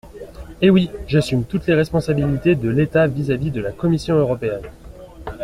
Eh oui ! J’assume toutes les responsabilités de l’État vis-à-vis de la Commission européenne.